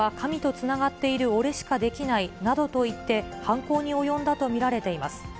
それは神とつながっている俺しかできないなどと言って、犯行に及んだと見られています。